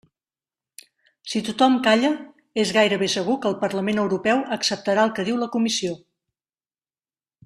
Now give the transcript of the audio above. Si tothom calla, és gairebé segur que el Parlament Europeu acceptarà el que diu la Comissió.